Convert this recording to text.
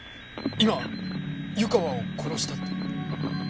今湯川を殺したって。